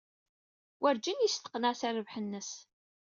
Werjin yesteqneɛ s rrbeḥ-nnes.